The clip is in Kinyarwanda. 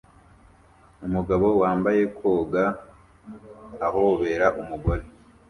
Umugabo wambaye koga ahobera umugore